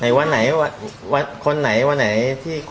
ไหนคนไหนคนไหนแบก